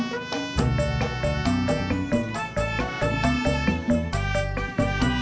udah jalan banyak amat